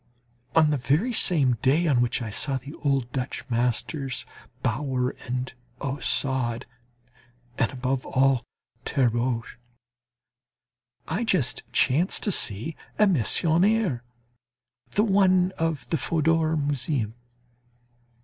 On the very same day on which I saw the old Dutch masters, Brouwer, Ostade, and above all Terborch, I just chanced to see a Meissonier the one of the Fodor Museum.